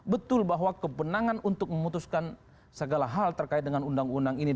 betul bahwa kebenangan untuk memutuskan segala hal terkait dengan undang undang ini